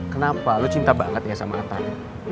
kenapa lo cinta banget ya sama atat